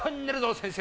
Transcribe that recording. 先生！